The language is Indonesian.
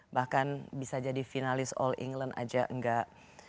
bahkan bisa jadi finalis all england aja enggak